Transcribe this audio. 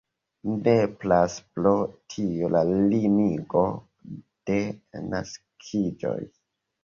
Nepras pro tio la limigo de naskiĝoj.